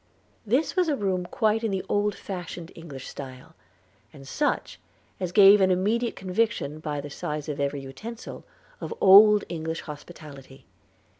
This was a room quite in the old fashioned English style; and such as gave an immediate conviction, by the size of every utensil, of old English hospitality.